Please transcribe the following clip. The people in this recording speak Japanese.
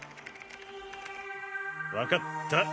わかった。